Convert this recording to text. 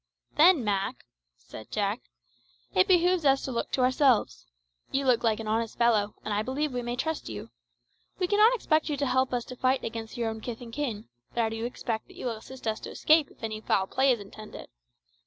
"Then, Mak," said Jack, "it behoves us to look to ourselves. You look like an honest fellow, and I believe we may trust you. We cannot expect you to help us to fight against your own kith and kin, but I do expect that you will assist us to escape if any foul play is intended.